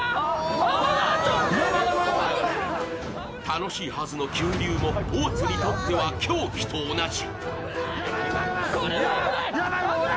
楽しいはずの急流も、大津にとっては凶器と同じ。